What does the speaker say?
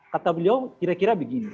kata beliau kira kira begitu